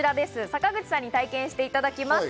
坂口さんに体験してもらいます。